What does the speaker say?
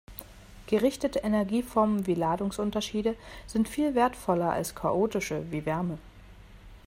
Gerichtete Energieformen wie Ladungsunterschiede sind viel wertvoller als chaotische wie Wärme.